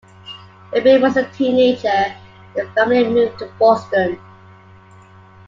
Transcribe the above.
When Binnie was a teenager the family moved to Boston.